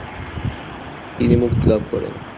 তিনি মুক্তি লাভ করেন।